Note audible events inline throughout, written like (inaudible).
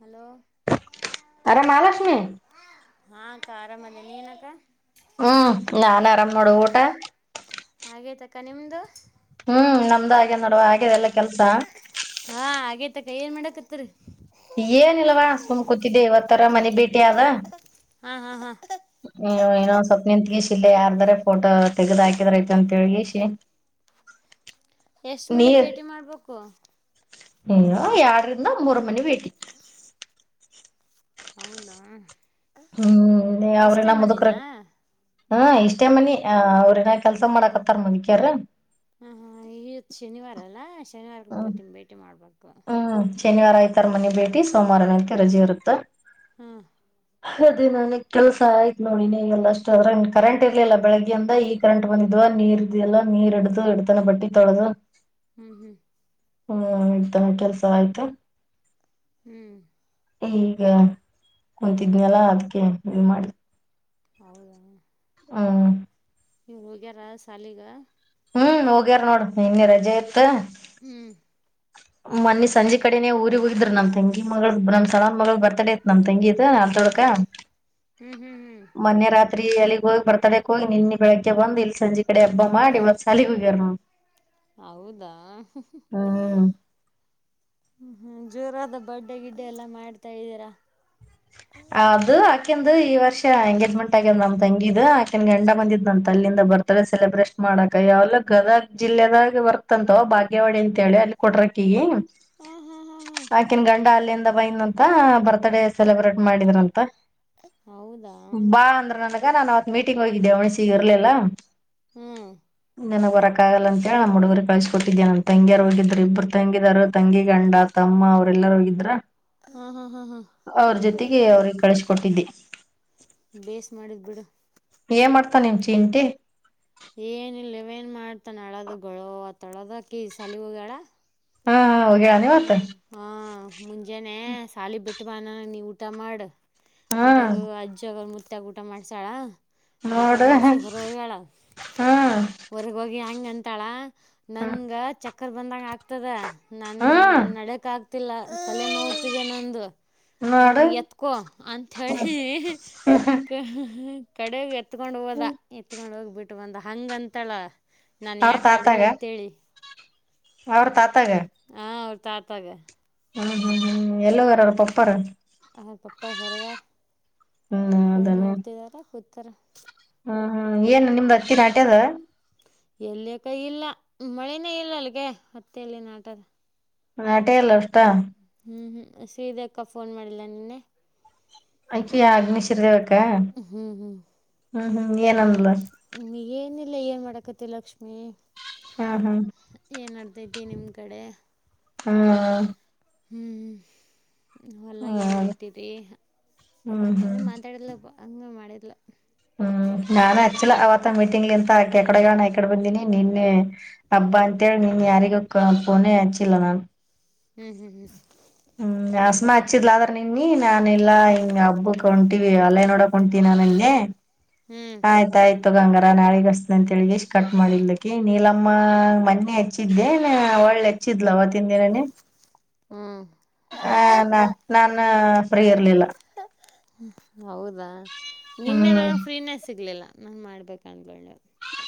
Hello ಹರೇ ಮಹಾಲಕ್ಷ್ಮಿ ಹಾ ಅಕ್ಕ ಆರಾಮಹದಿನಿ ನೀನು ಅಕ್ಕ ಹ್ಮ್ ನಾನ್ ಆರಾಮ್ ನೋಡು ಊಟ ಹಾಗೇತಕ್ಕ ನಿಮ್ದು ಹ್ಮ್ ನಮ್ದ ಹಾಗದ ನೋಡುವ ಹಾಗಿದೆ ಎಲ್ಲ ಕೆಲ್ಸ ಮತ್ತಕ್ಕ ಏನ್ ಮಾಡಕತ್ರಿರೀ ಏನ ಇಲ್ವಾ ಸುಮ್ ಕೂತಿದ್ದೆ ಇವತ್ತರ ಮನೆ ಭೇಟಿಯಾದ ಹಾ ಹಾ ಹಾ ನೀ ಇನ್ನೊಂದ್ ಸ್ವಪ್ನ ನಿಂತ್ ಗಿಷಿ ಇಲ್ಲೇ ಯಾರ್ದಾರ ಫೋಟೋ ತೆಗದ್ ಹಾಕಿದ್ರ ಆಯ್ತು ಅಂತ ಹೇಳಿ ಇಸಿ (inaudible) ಎಷ್ಟ ಮನಿ ಭೇಟಿ ಮಾಡ್ಬೇಕು ಹ ಎಡರಿಂದ ಮೂರ ಮನ ಭೇಟಿ ಹೌದಾ ಹ್ಮ್ ಅವ್ರೆ ಇಷ್ಟೇ ನ ಮುದುಕರ ಮನಿನಾ ಹ ಇಷ್ಟ ಅಷ್ಟೇ ಮನಿ ಅ ಅವ್ರನ ಕೆಲ್ಸ ಮಾಡಕತ್ತಾರ ಮುದಕ್ಯಾರ ಹ ಹಾ ಈವತ್ ಶನಿವಾರಲ್ಲಾ ಶನಿವಾರ ಹ್ಮ್ ಭಟಿ ಭೇಟಿ ಮಾಡ್ಬೇಕು ಹ್ಮ್ ಶನಿವಾರ ಐ್ತಾರ ಮನೆ ಭೇಟಿ ಸೋಮವಾರ ನಂತೆ ರಜೆ ಇರುತ್ತಾ ಹ್ಮ್ ಅದೇ ನನ್ ಕೆಲಸ ಆಯ್ತು ನೋಡಿನಿ ಎಲ್ಲ ಅಷ್ಟು ಅದ್ರ ಕರೆಂಟ್ ಇರ್ಲಿಲ್ಲ ಬೆಳಗ್ಗೆಯಿಂದ ಈ ಕರೆಂಟ್ ಬಂದಿದ್ ನೀರ್ ಇದೆಯಲ್ಲ ನೀರ್ ಹಿಡ್ದು ಇಿಡತನ ಬಟ್ಟಿ ತೊಳೆದು ಹ್ಮ್ ಹ್ಮ್ ಹ್ಮ್ ಆತ ಕೆಲ್ಸ ಆಯ್ತಾ ಹ್ಮ್ ಈಗ ಕುಂತಿದ್ನಲ್ಲ ಅದ್ಕ್ಕೆ ಇನ್ ಮಾಡ ಹೌದಾ ಹಾ ಇವ್ರು ಹೋಗ್ಯಾರ ಶಾಲಿಗ ಹ್ಮ್ ಹೋಗ್ಯಾರ ನೋಡ ಇನ್ನ ರಜೆ ಇತ್ ಹ್ಮ್ ಮನ್ನಿ ಸಂಜೆ ಕಡೆನನೆ ಊರಿಗೆಗ್ ಹೋಗಿದ್ರರು ನಮ್ ತಂಗಿ ಮ ನಮ್ ಸಳ ಮ ಬರ್ತಡೇ ಐತ್ ನಮ ತಂಗಿ ನಲ್ದೊಡ್ಕ ಹ್ಮ್ ಹ್ಮ್ ಹ್ಮ್ ಮೊನ್ನ ರಾತ್ರಿ ಅಲ್ಲಿ ಗ ಹೋಗಿ ಬರ್ತಾ ಹೋಗಿ ನಿನ್ನ ಬೆಳಗ್ಗೆ ಬಂದು ಇಲ್ಲಿ ಸಂಜೆ ಕಡೆ ಹಬ್ಬ ಮಾಡಿ ಇವತ್ ಸಲ ಹೋಗ್ಯರ್ ನಾವು ಹೌದಾ ಹ್ಮ್. ಹ್ಮ ಜೋರಾದ ಬಡ್ಡೆ ಗಿಡ್ಡೆ ಎಲ್ಲಾ ಮಾಡ್ತಾ ಇದ್ದೀರಾ ಆಕಂದು ಈ ವರ್ಷ ಎಂಗೇಜ್ಮೆಂಟ್ ಆಗ್ಯ್ ನಮ್ ತಂಗಿದ್ ಆಕನ್ ಗಂಡ ಬಂದಿದ್ ನನ್ ತಲ್ಲಿಂದ ಬರ್ತ್ಡಡೆ ಸೆಬ್ರೇಟ್ ಮಾಡಿ ಮಾಡಕ ಯಾವಲ್ಲ ಗದಗ್ ಜಿಲ್ಲೆದಾಗ ಬರ್ತಂತವ ಬಾಗ್ಯವಾಡಿ ಅಂತೇಳಿ ಅಲ್ಲಿ ಕೊಟ್ರಕ ಈಗ ಹಾ ಹಾ ಹಾ ಹಾ ಆಕನ್ ಗಂಡ ಅಲ್ಲಿಯಂದ ಬೈನ್ ಅಂತ ಬರ್ತ್ಡೇ ಸೆಲೆಬ್ರೇಟ್ ಮಾಡಿದ್ರಂತ ಹೌದಾ ಆಗ ನಾನು ಅವತ್ ಮೀಟಿಂಗ್ ಹೋಗಿದ್ದೆ ಅವ್ಣಸಿಗೆ ಇರಲಲ್ಲಾ ಹ್ಮ್ ನನಗೆ ಹೊರಕಾಗಗಲ್ಲ ಅಂತ ಹೇಳಿ ನಮ್ಮ ಹುಡುಗರು ಕಳ್ಸ ಕೊಟ್ಟಿದ್ದೇ ನನ್ ತಂಗಿಯರು ಹೋಗಿದರು ಇಬ್ಬರು ತಂಗಿದರು ತಂಗಿ ಗಂಡತ ಅಮ್ಮ ಅವ್ರ ಎಲ್ಲರ ಹೋಗಿದ್ರ ಹ್ಮ ಹಾ ಹಾ ಹ್ಮ ಅವ್ರ ಜೊತೆಗೆ ಅವ್ರಿಗೆ ಕಳಸಕೊಟ್ಟಿದ್ದೆ ಬೇಸ್ ಮಾಡಿದ್ ಬಿಡು ಏ ಮಾಡಡ್ತಾ ನಿ ಚಿ ಇಟಿ. ಏನ ಇಿಲ್ಲವ ನ್ ಮಾಡ್ತಾನ ಅಳದ ಅತ್ತೊಳದಕಿ ಸಲವು ಹ್ಮ್ ಹ್ಮ. ಹ್ಮ್ ಹ ಮುಂಜಾನೆ ಸಾಲಿ ಬಿಟ್ಟ ಬಾನ ನೀ ಊಟ ಮಾಡ ಹಾ ಅಂತರು ಅಜ್ಜಗ ಮತ್ಯಗ ಊಟ ಮಾಡ್ಸಾಳ. ಊಟ ನೋಡು ಮಾಡ್ಸಿ ಹೊರ ಹೋಗಳ ಹಾ ಹೊರ್ಗ ಹೋಗಿ ಹೆಂಗ ಅಂತಾಳ ನನ್ಗ ಚಕ್ಕರ್ ಬಂದಂಗ ಆಗ್ತದ ನನ್ ಹಾ ನನ್ ನಡಕ್ ಆಗ್ತಿಲ್ಲ. ಅಲ್ಲೇನ್ ನೋ್ತಿದೆ ನಂದು ನೋಡು ನನಗ್ ಎತ್ಕೊ ಅಂತಹ ಹೇಳಿ. ಕಡೆೋಗ ಎತ್ಕೊಂಡು ಹೋದ ಎತ್ಕೊಂಡು ಹೋಗ್ಬಿಟ್ಟು ಬಂದ ಹಂಗಂತಳ ನಾನ್ ಅವ್ರ ಯಾಕ ತಾತಾಗ ನಡಿೀಲಿ ಅತ್ೇಳಿ. ಅವ್ರ ತಾತಾಗ ಹಾ ಅವ್ರ್ ತಾತಾಗ ಹ್ಮ್ ಹ್ಮ್ ಹ್ಮ್ ಎಲ್ಲಾರ್ರ ಪಪ್ಪಾರ. (inaudible) ಆ ಪಪ್ಪ ಹೊರಗ ಹ್ಮ್ ಫೋನ್ ಹೌದನ ನೋಡ್ತಿದಾರ ಕೂತಾರ. ಹ್ಮ್ ಹ್ಮ್ ಏನ್ ನಿಮ್ದ್ ಅಚ್ಚಿಿನ ಆಟ್ಯದ ಎಲ್ಲಿಕ್ಕ ಇಲ್ಲ ಮಳನೇ ಇಲ್ಲ ಅಲ್ಗೆ ಅತ್ತೆ ಎಲ್ಲಿ ನ ಆಟದ. ನಟೇ ಎಲ್ಲ ಇಷ್ಟ ಹ್ಮ್ ಹ್ಮ್ ಸ್ರೀದ ಅಕ್ಕ ಫೋನ್ ಮಾಡಿಲ್ಲ ನಿನ್ನೆ. ಆಯ್ಕೆಾ ಅಗ್ನಿಶರ ಹ್ಮ್ ಹ್ಮ್. ಹ್ಮ್ ಹ್ಮ್ ಏನಂದಲ ಹ್ಮ್ ಏನಿಲ್ಲ ಏನ್ ಮಾಡಕತಿ ಲಕ್ಷ್ಮೀ. ಹ್ಮ್ ಹ್ಮ್ ನಿಮ್ ಕಡೆ. ಹ್ಮ ಹ್ಮಞ ಹೊಲ ಏನ್ ಬಿಡ್ತರಿ ಹ್ಮ್ ಹ್ಮ್ ಹಂತ ಹ್ಮ್ ಹೇಳಿ ಮಾತಾಡಿಲ್ಲಪ್ಪ. (inaudible) ಹಂಗೆ ಮಾಡಿಲ್ಲ (inaudible) ಹ್ಮ. ನಾನನ್ ಹಚ್ಚಲ ಅವತ್ತ ಮೀಟಿಂಗ್ ಇಂತ ಆಕಕಡೆಗ ಆಕಡೆ ಬಂದಿನಿ ನಿನ್ನೆ ಹಬ್ಬ ಅಂತೇಳಿ ನೀ ಯಾರಗ ಪಣೆ ಆಚ ಇಲ್ಲ ನಾನ್ ಹ್ಮ್ ಹ್ಮ್ ಹ್ಮ್ ಹ್ಮ್ ಹಸಮ ಹಚ್ಚಿದ್ಲ ಆದ್ರ ನಿನ್ನಿ ನಾನ ಎಲ್ಲಾ ಹಿಂಗ ಹಬ್ಬ ಕಂ ಅಲ್ಲೈ ನೋಡಕೊಂತೀ ನಾನ ಅಲ್ಲಿೇ ಹ್ಞೂ ಆಯ್ತಾಯಯ್ತು ಅಂಗಾರ ನಾಳೆಗಸ್ ಅಂತ ಹೇಳಿ ಕಟ್ ಮಾಡಲ್ಕ ನೀಲಮ್ಮ ಮನ್ನೆ ಹಚ್ಚಿದ್ದೆ ಒಳ್ಳೆ ಹೆಚ್ಚಿದ್ಲವತ್ತಿನ ದಿನನನೆ ಹ್ಞೂ ಹ್ಞೂ ಆ ನಾ ನಾನು ಫ್ರೀ ಇರ್ಲಿಲ್ಲ ಹೌದಾ ನಿನ್ನೆ ನ ಹ್ಮ್ ಫ್ರೀನೆಸ್ ಸಿಗ್ಲಿಲ್ಲ ನಾನ್ ಮಾಡ್ಬೇಕ ಅಂದಕೊಂಡ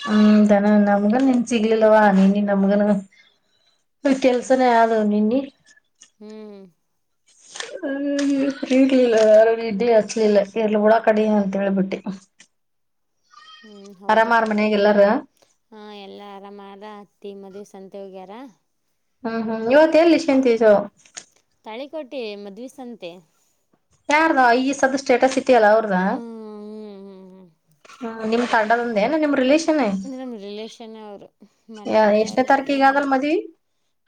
ಹ್ಮ್ ತಾನ ನಮ್ಗನ್ ನಿನ್ ಸಿಗ್ಲಿಲ್ಲವಾ ನೀನ್ ನಮ್ಗನು ಕೆಲ್ಸನ ಯಾವ್ದ ನಿನ್ನ ಹ್ಮ್ ಹ ಇರ್ಲಿಲ್ಲ ಯಾರ ಇದಲಿ ಹಚ್ಲಿಲ್ಲ ಎರ್ಲ್ಲ ಉಳ ಕಡಿ ಅಂತ ಹೇಳ್ಬಿಟ್ಟಿ (inaudible) ಹ್ಮ್ ಆರಾಮಾರ ಹೌದಕ್ಕ ಮನ್ಯಾಗ ಎಲ್ಲಾರ ಹ ಎಲ್ಲಾ ಆರಾಮಾರ ಹತ್ತಿ ಮದ್ ಸಂತೇವ್ಗಾರಾ ಹ್ಮ್ ಹ್ಮ್ ಇವತ್ತ ಎಲ್ಲಿ ಸಂತಿಸ ತಳಿಕೋಟೆ ಮದ್ವ ಸಂತೆ ಯಾರದಾ ಎಸ್ ಅದ ಸ್ಟೇಟಸ್ ಇಲ್ಲ ಅವ್ರದಾ ಹ್ಮ್ ಹ್ಮ್ ಹ್ಮ್ ನಿಮ್ ತಡದಂದ ಏ ನಿಮ್ ರಿಲೇಷನ್ ಅಂದ್ರೆ ನಮ ರಿಲೇಷನ್ ಅವರು ಮನೆಯವರೇ ಎಷ್ಟನೇ ಎಲ್ಲ ತಾರೀಕಿಗೆ ಆದಲ್ ಮದ್ವಿ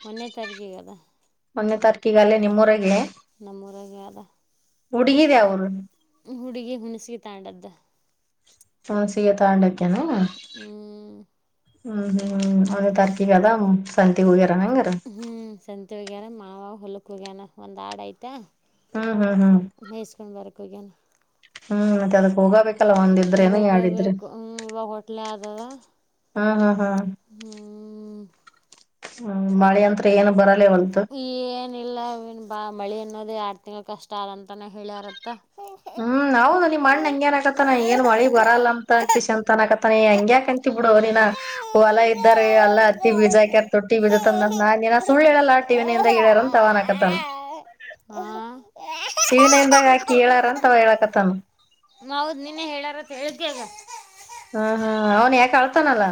ಮೊನ್ನೆ ತಾರಖೆ ಕದಾ ಹದನೇ ತಾರೀಕಿಗೆಲ್ಲಿೇ ನಿಮ್ಮವರಗೆ ನಮ್ಮರಗೆ ಅದ ಹಡುಗಿದ ಅವಊರು ಹುಡುಗಿ ಹುಣಸಗ ತಾಂಡದ್ದ ಹನ್ ಸಯ ತಾಂಡಕ್ಕೆಾನ ಹ್ಮ್ ಹ್ಮ್ ಹ್ಮ್ ಒಂದುೇ ತಾರಕ ಕ ಅದ ಸಂತ ಹೋಗ (inaudible) ಹ್ಮ್ ಸಂತ ಹಗ್ಯಾರ ಮಾವ ಹೊುಲಕ್ ಹೋಗ್ಯಾನ ಒಂದ್ ಆಡ ಆಯ್ತಾ ಹ್ಮ್ ಹ್ಮ್ ಹ್ಮ್ ಮೇಸ್ಕೊಂಡ್ ಬರ್ಕೋಗನ ಹ್ಮ್ ಮತ್ತೆ ಅದು ಹೋಗಬೇಕು ಹೋಗಬೇಕು ಹ್ಮ್ ಇವಾಗ ಹೋಟ್ಲೆ ಆದದ ಹ್ಮ್ ಹ್ಮ್ ಹ್ಞೂ ಹ್ಮ್ ಹ್ ಮಳೆ ಅಂ ಏನ್ ಬರ ಈ ಏನಿಲ್ಲ ಅವನ್ ಬಾ ಮಳಿ ಅನ್ನೋದು ಎರಡ್ ತಿಂಗ್ ಕಷ್ಟ ಆದದಂತಾನ ಹೇಳ್ಯಾರತ್ತ ಹ್ಮ್ ಹೌದು ನಿನ್ ಮಣ್ಣ ಹಂಗೇಏನ್ ಆಕತ್ತ ನ ಏನ್ ಮಳಿ ಬರಲ್ಲ ಅಂತ ಅಂತಿಸ ಅಂತನ್ ಆಕತ್ತ ಾನ ಹಂಗ್ಯಾಕ ಅಂತಿ ಬಿಡು ಹಾ ಅವರಿನ ಹೊಲಾ ಇದ್ದಾರ ಅಲ್ಲಾ ಹತ್ತಿ ಬೀಜಾಕ ತೊಟ್ಟಿ ಬೀಜ ತಂದ ನ ನೀಿನ ಸುಳ್ಳು ಹೇಳಲ್ಲ ಆಡ್ತೀವಿಿಿಂದ ಗಿ್ಯಾರನ್ ತವಾನ ಹಕತ್ತ ಹಾ ಟಿವ ವಿ ನೈನ್ ದಾಗ ಹಾಕಿ ಹೇಳಾರ ಅಂತವ ಹೇಳಕತ್ತಾನ ಹೌದ್ ನೀನೇ ಹೇಳಾರತ್ ಹೇಳ್ದಗ ಹಾ ಹಾ ಅವನ್ ಯಾಕ ಆಳ್ತಾನಲ್ಲ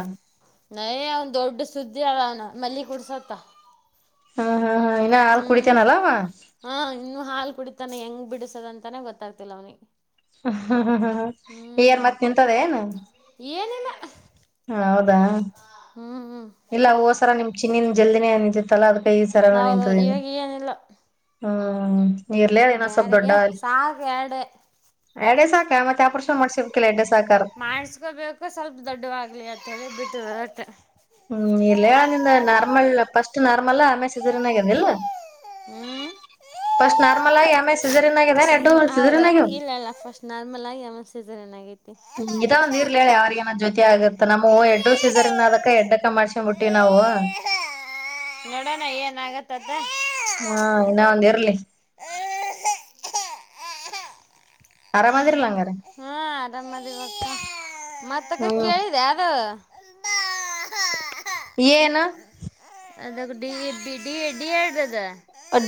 ನಯ ಅವನ್ ದೊಡ್ಡ ಸುದ್ದಿ ಅನ ಮಲ್ಲಿ ಕುಡ್ಸತ್ತ ಹಾ ಹಾ ಹಾ ಇನ್ನ ಹಾಲ್ ಹ್ಮ್ ಕುಡಿತಾನಲ್ಲ ಅವ ಹ ಇನ್ನು ಹಾಲ್ ಕುಡ ಹೆಂಗ್ ಬಿಡಸದಂತಾನೇ ಗೊತ್ತಾಗ್ತಿಲ್ಲ ಅವನಿ ಹ್ಮ್ ಹ್ಮ್ ಹ್ಮ್ ಹ್ಮ್ ಈ ಯಾರ ಮತ್ತ್ ನಿಂತದ ಏನ್ ಏನಿಲ್ಲ ಹ ಹೌದಾ ಹ್ಞೂ ಇಲ್ಲ ಹೋದ್ಸರ ನಿಮ್ ಚಿನ್ನಿನ್ ಜಲ್ದಿನೇ ನಿಂತತ್ತಲ್ಲಾ ಅದ್ ಕೈ ಸರ ಹೌದು ನಿಂತದೆಿ ಇವಾಗ ಏನಿಲ್ಲ ಹ್ಮ್ ನೀರ್ಲ್ಯ ದನಾ ಸಬ್ ದೊಡ್ಡ ಬ್ಯಾಡಿಗೆ ಸಾಕು ಡೆ ಸ ಕ ಮಾಡಸ್ಕೊಬೇಕು ಸ್ವಲ್ಪ ದೊಡ್ಡವಾಗ್ಲಿ ಅಂತ ಹೇಳಿ ಬಿಟ್ಟುತ್ತೆ ಎಷ್ಟು ನಾರ್ಮಲ್ ಆಮೇ ಸಜರಿನ್ ಆಾಗದಲ್ಲ ಹ್ಮ್ ಮಮಲ್ಲಾ ಎಂ ಎಸ್ ಸೀಸನ್ ಹೌದು ಇಲ್ಲಲ್ಲ ಫಸ್ಟ್ ನಾರ್ಮಲ್ ಆಗಿ ಆಮೇಲೆ ಸೀಸನ್ ಏನಾಗೈತಿ ಹೇಳ ಅವ್ರಿಗನ ಜೊತೆ ಆಗುತ್ತ ನಾವು ಎಡ್ಡು ಸೀಸರ್ನ್ ಅಕ್ಕ ಎದ್ದಕ್ಕ ಮಾಡ್ಸ ಬಿಟ್ಟವಿ ನಾವು ನೋಡೋಣ ಏನ್ ಆಗತ್ತತ್ ಹಾ ಇನ್ನ ಒಂದ್ ಇರ್ಲಿ ಆರಾಮದಿರ್ಲ ಹಂಗಾರ ಹಾ ಆರಾಮದ ಇವ ಮತ್ತಕ್ಕೆ ಹ್ಮ್ ಕೇಳಿದೆ ಅದು ಏನು ಅದ ಡಿ ಎಬ ಡಿ ಎ ಡಿ ಆದ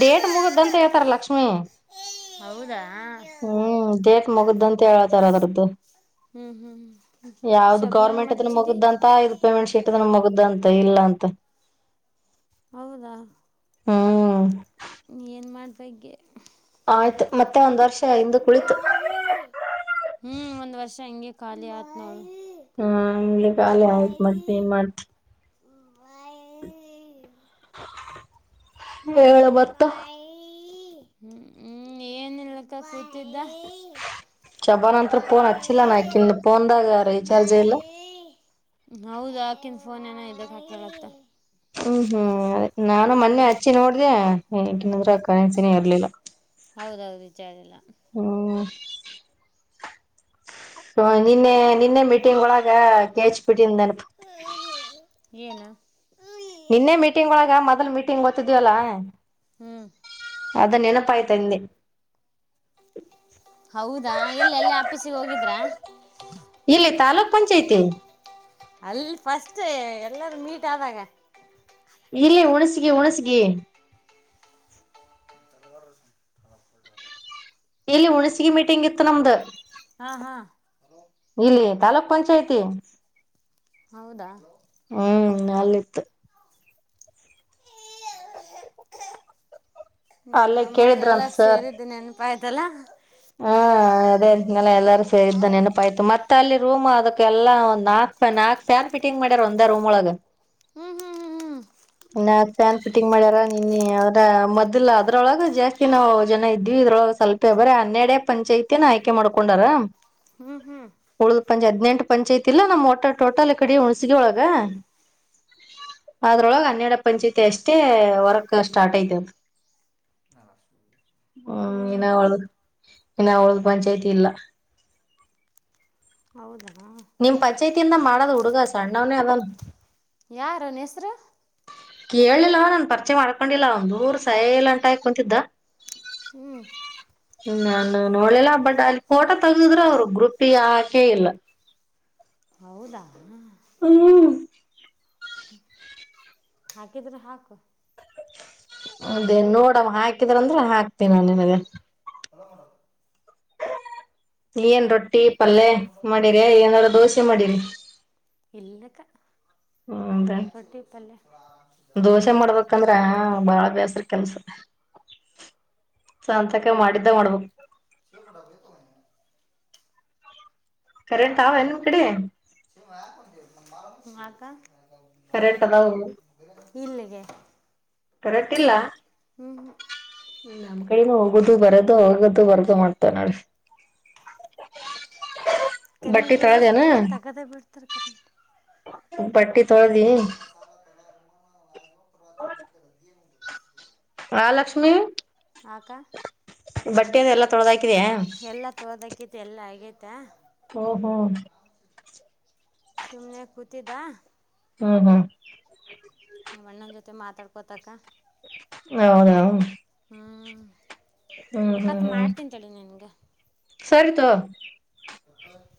ಡೇಟ್ ಮುಗ್ದಂತ ಹೇಳ್ತಾರ ಲಕ್ಷ್ಮೀ ಹೌದಾ ಹ್ಮ್ ದೇಕ್ ಮಗದ್ದಂತ ಹೇಳತರ ಅದರದ್ದು ಹ್ಞೂ ಹ್ಞೂ ಹ್ಞೂ ಯಾವ್ದ ಶಬನಾಗ ಗೌರ್ಮೆಂಟ್ ಅದ ಮಚ್ಚಿದ್ದಿ ಮುಗುದಂತ ಇದು ಪೇಮೆಂಟ್ ಶೀಟ್ ಮುಗ ಇದಂತ ಇಲ್ಲಂತ ಹೌದಾ ಹ್ಮ ಏನ್ ಮಾಡ್ದಗ್ಗೆ ಆಯ್ತು ಮತ್ತೆ ಒಂದ್ ವರ್ಷ ಹಂದು ಕುಳಿತು ಹ್ಞೂ ಒಂದು ವರ್ಷ ಹಂಗೆ ಖಾಲಿ ಆಯ್ತು ನೋಡು ಹ್ಮ್ ಇ್ಲಿಕ್ಕೆ ಆಯ್ತ್ ಮತ್ತ ಮಾಡ (unintelligible) ಮುಂಬಾಯ್ (inaudible) ಹೇಳ ಮತ್ತ ಹ್ಮ್ ಹ್ಮ್ ಏನ್ಲಕ್ಕ ಕು ಚಬ ನಂತರಫೋನ್ ಅಚ್ಚಿಲ್ಲ ನಕಫೋನ್ದಾಗ ರರಿಚಾರ್ಜ ಯಲ್ಲ ಹೌದ ಆಕನ್ ಫೋನ್ ಏನ ಇದಕ್ ಹಾಕಲತ್ತ ಹ್ಮ್ ಹ್ಮ್ ಅದೇ ನಾನು ಮೊನ್ನೆ ಹ್ಮ್ ಹಚ್ಚಿ ನೋಡ್ದ ಈಗನಂದ್ರ ಕನಸಿನೇ ಇರ್ಲಿಲ್ಲ ಹೌದೌದು ವಿಚಾರ ಎಲ್ಲ ಹ್ಮ ಹ ನಿನ್ನೆ ನಿನ್ನೆ ಮೀಟಿಂಗ್ ಒಳಗ ಕಚ್ಬಿಟ್ಟನ್ ನೆನಪ ಏನು ನಿನ್ನೆ ಮೀಟಿಂಗ್ ಒಳಗ ಮೊದ್ಲ್ ಮೀಟಿಂಗ್ ಗೊತ್ತಿದವಲ್ಲ ಹ್ಮ್ ಅದ ನೆನಪ ಆಯ್ತಾ ಹಿಂದೆ ಹೌದಾ ಎಲ್ಲಿ ಎಲ್ಲಿ ಆಪೀಸಿಗೆ ಹೋಗಿದ್ರ (inaudible) ಇಲ್ಲಿ ತಾಲೂಕ್ ಪಂಚಾಯತಿ ಅಲ್ಲಿ ಫಸ್ಟ್ ಎಲ್ಲರೂ ಮೀಟ್ ಆದಾಗ (inaudible) ಇಲ್ಲಿ ಉಣಸಗಿ ಉಣಸಗಿ ಇಲ್ಲಿ ಉುಣಸಗಿ ಮೀಟಿಂಗ್ ಇತ್ತು ನಮ್ದ ಹಾ ಹಾ ಗ ಪಂಚಾಯತಿ ಹೌದಾ ಹ್ಮ ನಲ್ಲಿ ಇತ್ (unintelligible) ಹ್ಮ ಅಲ್ಲೇ ನಮ್ಮದೆ ಎಲ್ಲ ಕೇಳಿದ್ರಂತ ಸೇರಿದ್ದೆ ನೆನಪಾಯತಲ್ಲ ಹಾ ಹ ಅದೇ ಎಲ್ಲರೂ ಸೇ ಇದ್ದ ನೆನಪಾಯ್ತು ಮತ್ತೆ ಅಲ್ಲಿ ರೂಮ್ ಅದಕ್ಕೆ ಎಲ್ಲ ಒಂದ ನಾಲ್ಕ ನಾಲ್ಕು ಸ ಪಟಿಂಗ್ ಮಾಡ್ಯಾರ ಒಂದ ರೂಮ್ ಒಳಗೆ ಹ್ಮ್ ಹ್ಮ್ ಹ್ಮ್ ನ ಫ್ಯಾನ್ ಫಿಟಿಂಗ್ ಮಾಡ್ಯಾರ ನಿನ್ನ ಅದ್ರ ಮೊದಲ ಅದ್ರೊಳಗ ಜಾಸ್ತಿ ನಾವವು ಜನ ಇದ್ವಿ ಇದ್ರ ಸ್ವಲ್ಪೇ ಬರ ಹನ್ನೆಡೆ ಪಂಚಾಯತ ಆಯ್ಕೆ ಮಾಡ್ಕೊಂಡಾರ ಹ್ಮ್ ಹ್ಮ್ ಹ್ಮ್ ಉಳ್ದ್ ಪಂಚಾಯಿತಿ ಹದ್ನೆಂಟು ಪಂಚಾಯಿತಿ ಐತಿಲ್ಲಾ ನಮ್ಮ್ ಓಟ ಟೋಟಲ್ ಕಡೆ ಹುಣಸಗ ಒಳಗ ಅದ್ರೊಳಗೆ ಹನ್ನೆರಡ ಪಂಚಾಯತಿ ಅಷ್ಟೇ ವರ್ಕ್ ಸ್ಟಾರ್ಟ್ ಐ್ತದ ಹ್ಮ್ ಇನ್ನ ಅವಳ್ದ ಇನ್ನು ಅವಳ್ದು ಪಂಚಾಯ್ತಿ ಇಲ್ಲ ಹೌದಾ ಕೊಡುಗ ಸಣ್ಣ ಒನ ಅವ (unintelligible) ಯಾರ ಹೆಸರು ಕೇಳಲಿಲ್ಲ ನಾನನ್ ಪರಿಚೆ ಮಾಡ್ಕೊಂಡಿಲ್ಲ ದೂರ ಸೈಲ್ ಅಂಟ ಕುಂತಿದ್ದ. ಹ್ಮ್ ನಾನು ನೋಡ್ಲಿಲ್ಲ ಬಟ್ ಅಲ್ಲಿ ಫೋಟೋ ತಗಿದ್ರರು ಅವರು ಗ್ರೂಪಿಗೆ ಯಾಕೆ ಇಲ್ಲ. ಹೌದಾ ಹ್ಮ್. (inaudible) ಹಾಕಿದ್ರೆ ಹಾಕು ಅದೇ ನೋಡವ ಹಾಕಿದ್ರಂದ್ರ ಹಾಕ್ತೀನ ನಿನಗೆ ಹಲೋ ಹಣ (inaudible) ಏನ್ ರೊಟ್ಟಿ ಪಲ್ಲೆ ಮಾಡಿರಿ ಏನಾರೂ ದೋಸೆ ಮಾಡಿರಿ. ಇಲ್ಲಕ್ಕ ಹ್ಮದೇ ರೊಟ್ಟಿ ಪಲ್ಯ ದೋಸೆ ಮಾಡ್ಬೇಕಂದ್ರ ಬಾಳ ಬೇಸ್ರ ಕೆಲಸ ಸ ಅಂತಕ ಮಾಡಿದ್ದ ಮಾಡ್ಬೇಕು ಶ ಮಡತ. (inaudible) ಕರೆಂಟ್ ಆ ನಿನ್ ಕಡಿ ಹಾಕ (inaudible) ಕರೆಕ್ಟ್ ಅದವು ಇಲ್ಲಿಗೆ ಕರೆಕ್ಟ್ ಇಲ್ಲ ಹ್ಮ್ ಹ್ಮ. ನು ಹೋಗದು ಬರದು ಹೊಗದು ಬರ್ದು ಮಾಡ್ತನ್ ನೋಡಿ ಕರೆಂಟ್ ಇಲ್ಲ ಅಕಡೆ ತಗದ ಬಿಡ್ತಾರೆ ಕರೆಂಟ್. (unintelligible) ಬಟ್ಟಿ ತೊಳದಿ ಹ ಮಹಾಲಕ್ಷ್ಮಿ ಆಕ. ಬಟ್ಟೆ ಅಿಂದ ಎಲ್ಲ ತೊೆದ (unintelligible) (inaudible) ಎಲ್ಲಾ ತೋದಕತಿ ಎಲ್ಲ ಆಗೈತ ಓ ಹೋ ಸುಮ್ನೆ ಕೂತಿದ್ದ ಹ್ಮ್ ಹ್ಮ. ನಮ್ಮ ಅಣ್ಣನ ಜೊತೆ ಮಾತಾಡ್ಕೊತಕ್ಕ ಹೌದ. ಅಕ್ಕ ಹ್ಮ್ ಮಾಡ್ತಿನ್ ತಡಿ ನಿನ್ಗೆ ಸರಿ ತಗೋ ಕತ್ತೆ (unintelligible)